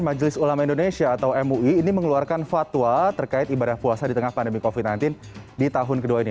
majelis ulama indonesia atau mui ini mengeluarkan fatwa terkait ibadah puasa di tengah pandemi covid sembilan belas di tahun kedua ini